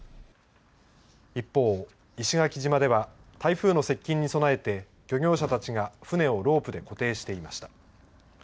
一方、石垣島では台風の接近に備えて漁業者たちが船をロープで固定していました。